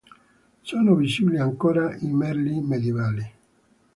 Sono visibili ancora i merli medioevali.